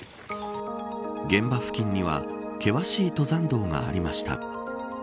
現場付近には険しい登山道がありました。